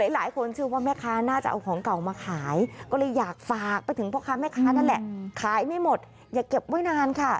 หลายคนเชื่อว่าแม่ค้าน่าจะเอาของเก่ามาขายก็เลยอยากฝากไปถึงพ่อค้าแม่ค้านั่นแหละขายไม่หมดอย่าเก็บไว้นานค่ะ